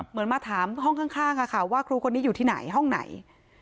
เหมือนมาถามห้องข้างค่ะว่าครูคนนี้อยู่ที่ไหนห้องไหน